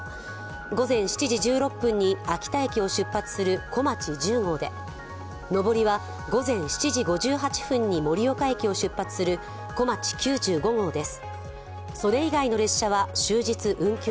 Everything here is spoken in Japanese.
午前７時１６分に秋田駅を出発するこまち１０号で、上りは午前７時５８分に盛岡駅を出発する、こまち９５号です。